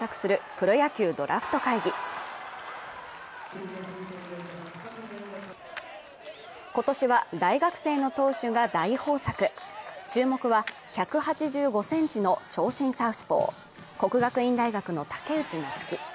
プロ野球ドラフト会議今年は大学生の投手が大豊作注目は１８５ｃｍの長身サウスポー国学院大学の武内夏暉